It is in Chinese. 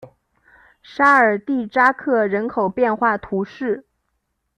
沙尔蒂扎克人口变化图示